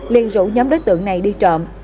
liên rủ nhóm đối tượng này đi trộm